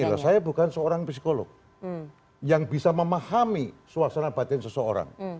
saya bukan seorang psikolog yang bisa memahami suasana batin seseorang